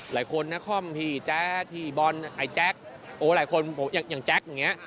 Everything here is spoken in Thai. หลายคนนครพี่แจ๊ดพี่บอลไอ้แจ๊คโอ้หลายคนอย่างแจ๊คอย่างนี้